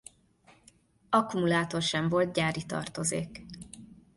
Akkumulátor sem volt gyári tartozék.